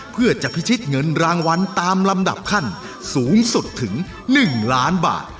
เพื่อจะพิชิตเงินรางวัลตามลำดับขั้นสูงสุดถึง๑ล้านบาท